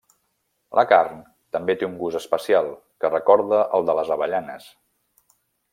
La carn també té un gust especial, que recorda el de les avellanes.